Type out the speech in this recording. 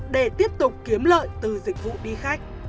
để tiếp tục kiếm lợi từ dịch vụ đi khách